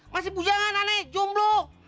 masih pujangan anak jomblo